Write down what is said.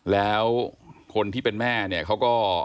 แล้วคนที่เป็นแม่เนี่ยเขาก็